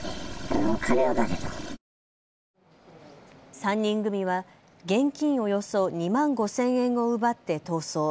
３人組は現金およそ２万５０００円を奪って逃走。